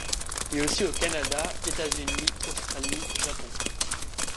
Et aussi au Canada, États-Unis, Australie, Japon.